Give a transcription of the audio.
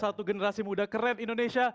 satu generasi muda keren indonesia